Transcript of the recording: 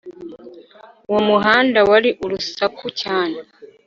uwo muhanda wari urusaku cyane